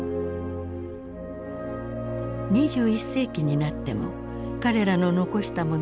２１世紀になっても彼らの残したものは健在である。